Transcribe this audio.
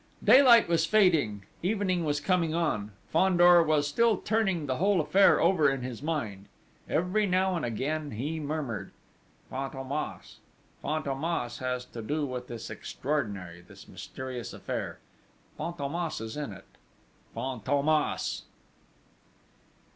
Daylight was fading; evening was coming on; Fandor was still turning the whole affair over in his mind. Every now and again he murmured: "Fantômas! Fantômas has to do with this extraordinary, this mysterious affair! Fantômas is in it!... Fantômas!"